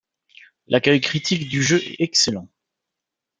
L’accueil critique du jeu est excellent.